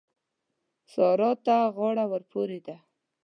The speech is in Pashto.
سارا ته غاړه ورپورې ده.